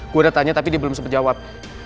gue udah tanya tapi dia belum sempat jawab